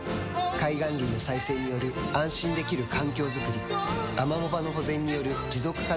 海岸林の再生による安心できる環境づくりアマモ場の保全による持続可能な海づくり